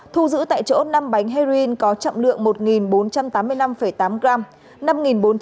thu giữ tại chỗ năm bánh heroin có chậm lượng một nghìn bốn trăm tám mươi năm tám gram